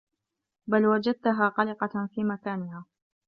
بَلْ وَجَدْتهَا قَلِقَةً فِي مَكَانِهَا